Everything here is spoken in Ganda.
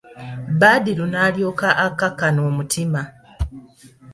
Badru n'alyoka akakkana omutima.